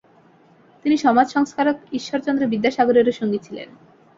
তিনি সমাজ সংস্কারক ঈশ্বরচন্দ্র বিদ্যাসাগরেরও সঙ্গী ছিলেন।